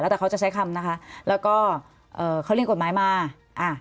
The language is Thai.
แต่เขาจะใช้คำนะคะแล้วก็เอ่อเขาเรียกกฎหมายมาอ่า